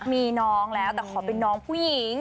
มีน้องแล้วแต่ขอเป็นน้องผู้หญิง